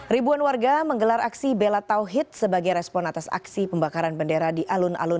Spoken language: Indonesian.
ribuan warga menggelar aksi bela tauhid sebagai respon atas aksi pembakaran bendera di alun alun